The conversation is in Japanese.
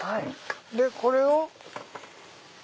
でこれを。